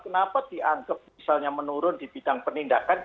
kenapa dianggap misalnya menurun di bidang penindakan